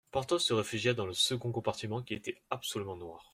Porthos se réfugia dans le second compartiment qui était absolument noir.